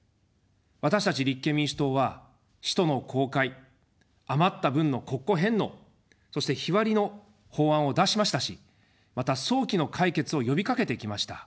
私たち立憲民主党は使途の公開、余った分の国庫返納、そして日割りの法案を出しましたし、また早期の解決を呼びかけてきました。